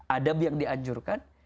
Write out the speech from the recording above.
ada yang dianjurkan